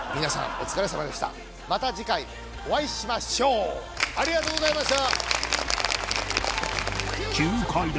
お疲れさまでしたまた次回お会いしましょうありがとうございました